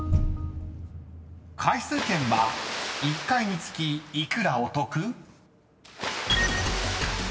［回数券は１回につき幾らお得？］